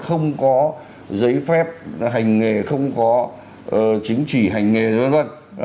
không có giấy phép hành nghề không có chính trị hành nghề v v